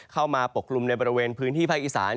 เข้ามาปกครุมในบริเวณพื้นที่ภาคอีสาน